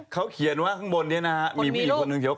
เขาเขียนว่าข้างบนนี้นะครับ